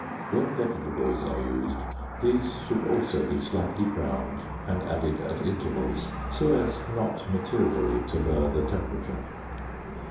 When vegetables are used, these should also be slightly browned and added at intervals, so as not materially to lower the temperature.